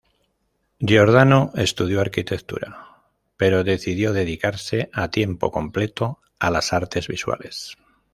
Giordano estudió arquitectura, pero decidió dedicarse a tiempo completo a las artes visuales.